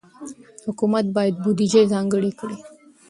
حکومت باید بودجه ځانګړې کړي.